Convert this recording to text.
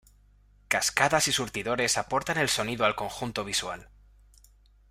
Cascadas y surtidores aportan el sonido al conjunto visual.